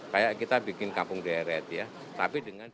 kayak kita bikin kampung deret ya